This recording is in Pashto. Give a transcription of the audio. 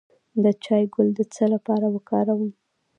د چای ګل د څه لپاره وکاروم؟